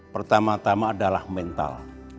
pertama tama adalah mental